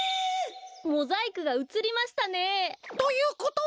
モザイクがうつりましたね。ということは？